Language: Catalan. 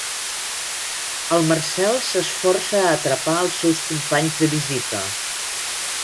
El Marcel s'esforça a atrapar els seus companys de visita.